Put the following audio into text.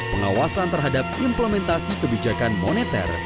pengawasan terhadap implementasi kebijakan moneter